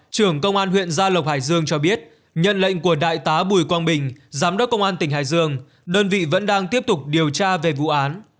trưởng công an huyện gia lộc hải dương cho biết nhận lệnh của đại tá bùi quang bình giám đốc công an tỉnh hải dương đơn vị vẫn đang tiếp tục điều tra về vụ án